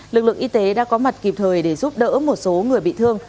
lực lượng y tế đã có mặt kịp thời để giúp đỡ một số người bị thương